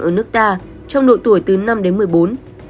ở nước ta trong độ tuổi từ năm đến một mươi bốn